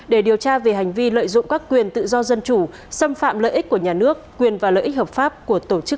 để điều tra về hành vi lợi dụng các quyền tự do dân chủ xâm phạm lợi ích của nhà nước quyền và lợi ích hợp pháp của tổ chức